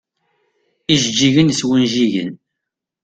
Ijeǧǧigen s wunjigen.